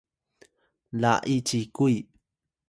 la’i cikuy